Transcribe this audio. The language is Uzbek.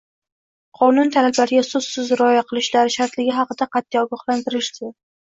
Qonun talablariga so‘zsiz rioya qilishlari shartligi haqida qat’iy ogohlantirilsin.